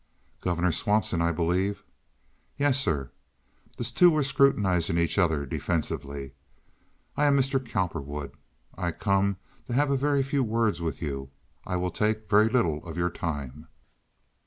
"Governor Swanson, I believe?" "Yes, sir." The two were scrutinizing each other defensively. "I am Mr. Cowperwood. I come to have a very few words with you. I will take very little of your time.